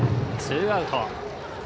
ツーアウト。